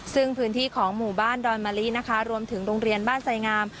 ซึ่งพื้นที่ของหมู่บ้านดอนมะลินะคะรวมถึงโรงเรียนบ้านไสงาม